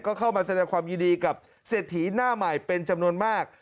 ก็เข้ามาแสดงความยินดีกับเศรษฐีหน้าใหม่เป็นจำนวนมาก